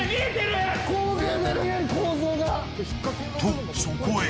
［とそこへ］